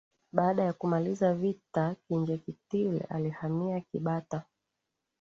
baada ya kumalizika vita Kinjeketile alihamia Kibata